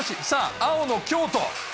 さあ、青の京都。